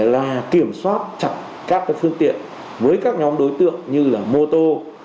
là kiểm soát chặt các phương tiện với các nhóm đối tượng như là mô tô